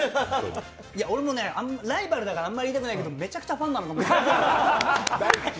俺もね、ライバルだからあんまり言いたくないけどめちゃくちゃファンなの。